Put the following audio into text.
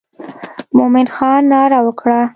مومن خان ناره وکړه.